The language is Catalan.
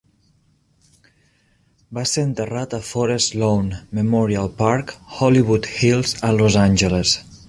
Va ser enterrat a Forest Lawn Memorial Park, Hollywood Hills, a Los Angeles.